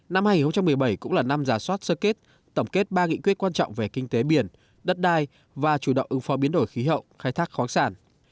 năm hai nghìn một mươi bảy cũng là năm giả soát sơ kết tổng kết ba nghị quyết quan trọng về kinh tế biển đất đai và chủ động ứng phó biến đổi khí hậu khai thác khoáng sản